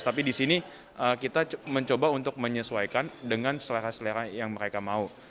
tapi di sini kita mencoba untuk menyesuaikan dengan selera selera yang mereka mau